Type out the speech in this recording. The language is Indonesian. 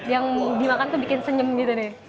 yang dimakan tuh bikin senyum gitu deh